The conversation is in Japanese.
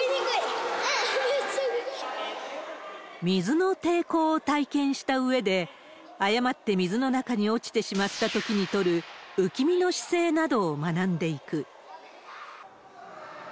水の抵抗を体験したうえで、誤って水の中に落ちてしまったときに取る、浮き身の姿勢などを学んでいく。